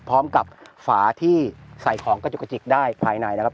พร้อมกับฝาที่ใส่ของกระจุกกระจิกได้ภายในนะครับ